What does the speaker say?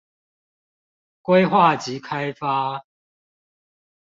規劃及開發